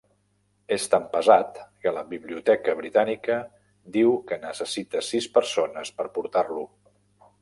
És tan pesat que la Biblioteca britànica diu que necessita sis persones per portar-lo.